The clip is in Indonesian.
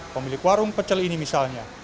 pemilik warung pecel ini misalnya